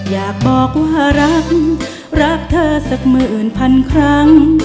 อยากบอกว่ารักรักเธอสักหมื่นพันครั้ง